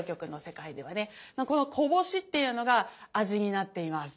このこぼしっていうのが味になっています。